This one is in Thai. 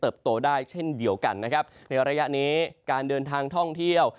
โตได้เช่นเดียวกันนะครับในระยะนี้การเดินทางท่องเที่ยว